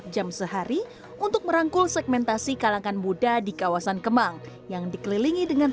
jam sehari untuk merangkul segmentasi kalangan muda di kawasan kemang yang dikelilingi dengan